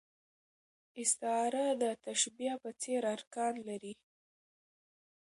استعاره د تشبېه په څېر ارکان لري.